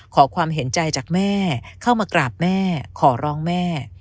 ขอความเห็นใจจากแม่เข้ามากราบแม่ขอร้องแม่